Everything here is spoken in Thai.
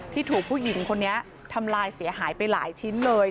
ที่ถูกผู้หญิงคนนี้ทำลายเสียหายไปหลายชิ้นเลย